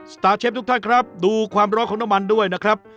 ตาร์เชฟทุกท่านครับดูความร้อนของน้ำมันด้วยนะครับ